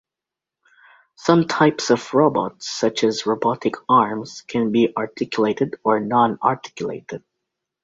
Some types of robots, such as robotic arms, can be articulated or non-articulated.